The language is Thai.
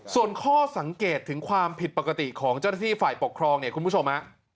ส่วนข้อสังเกตถึงความผิดปกติของเจ้าหน้าที่ฝ่ายปกครองเนี่ยคุณผู้ชมฮะ